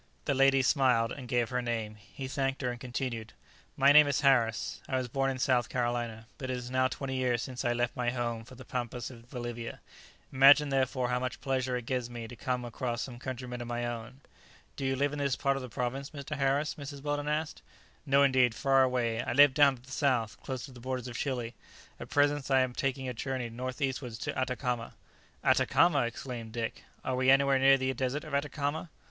The lady smiled, and gave her name; he thanked her, and continued, "My name is Harris. I was born in South Carolina; but it is now twenty years since I left my home for the pampas of Bolivia; imagine, therefore, how much pleasure it gives me to come across some countrymen of my own." "Do you live in this part of the province, Mr. Harris?" Mrs. Weldon asked. "No, indeed; far away; I live down to the south, close to the borders of Chili. At present I am taking a journey north eastwards to Atacama." "Atacama!" exclaimed Dick; "are we anywhere near the desert of Atacama?"